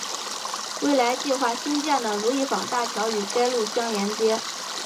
未来计划兴建的如意坊大桥与该路相连接。